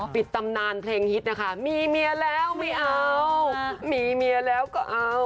ตำนานเพลงฮิตนะคะมีเมียแล้วไม่เอามีเมียแล้วก็เอา